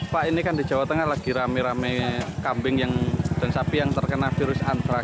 pak ini kan di jawa tengah lagi rame rame kambing dan sapi yang terkena virus antrak